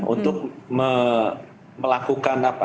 untuk melakukan apa